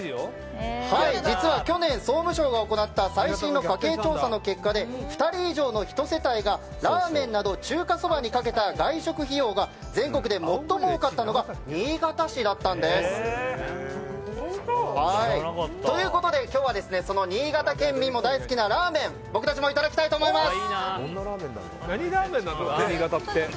実は去年、総務省が行った最新の家計調査の結果で２人以上の１世帯がラーメンなど中華そばにかけた外食費用が全国で最も多かったのが新潟市だったんです。ということで今日は新潟県民も大好きなラーメンを僕たちもいただきたいと思います。